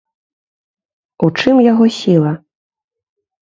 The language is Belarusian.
У чым яго сіла?